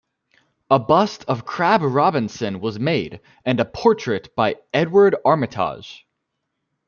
A bust of Crabb Robinson was made, and a portrait by Edward Armitage.